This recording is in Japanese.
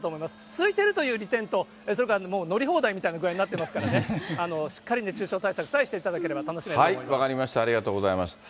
空いてるという利点と、それから乗り放題みたいな具合になってますからね、しっかり熱中症対策さえしていただければ楽しめると思分かりました、ありがとうございます。